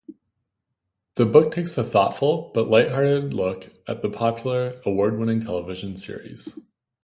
The book takes a thoughtful, but light-hearted look at the popular, award-winning television series.